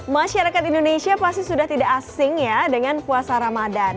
masyarakat indonesia pasti sudah tidak asing ya dengan puasa ramadan